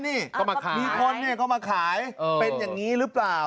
มีคนเนี่ยก็มาขายเป็นอย่างนี้หรือเปล่า